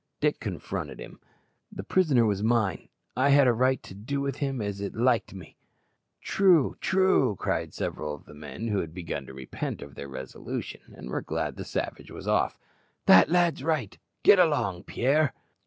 Dick confronted him. "The prisoner was mine. I had a right to do with him as it liked me." "True, true," cried several of the men who had begun to repent of their resolution, and were glad the savage was off. "The lad's right. Get along, Pierre."